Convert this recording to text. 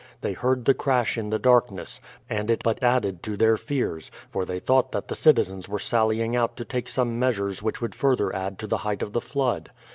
They heard the crash in the darkness, and it but added to their fears, for they thought that the citizens were sallying out to take some measures which would further add to the height of the flood.